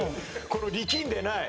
この力んでない。